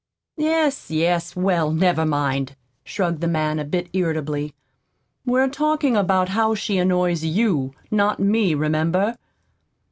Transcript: "Yes, yes; well, never mind," shrugged the man, a bit irritably. "We're talking about how she annoys YOU, not me, remember."